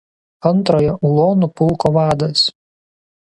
Antrojo ulonų pulko vadas.